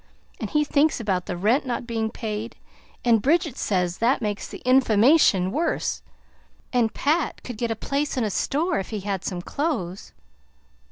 And he thinks about the rent not being paid, and Bridget says that makes the inf'ammation worse. And Pat could get a place in a store if he had some clothes."